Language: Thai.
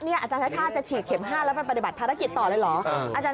อาจารย์ชาติชาติจะฉีดเข็ม๕แล้วไปปฏิบัติภารกิจต่อเลยเหรอ